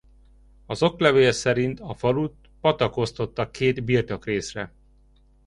Az oklevél szerint a falut patak osztotta két birtokrészre.